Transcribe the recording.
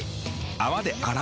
泡で洗う。